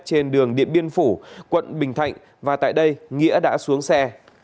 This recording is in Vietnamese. trên đường điện biên phủ quận bình thạnh và tại đây nghĩa đã xuống xe